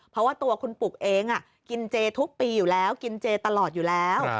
เพราะว่าตัวคุณปุกเองกินเจทุกปีอยู่แล้วกินเจตลอดอยู่แล้ว